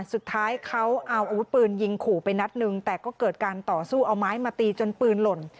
สุดท้ายเขาเอาอาวุธปืนยิงขู่ไปนัดหนึ่งแต่ก็เกิดการต่อสู้เอาไม้มาตีจนปืนหล่น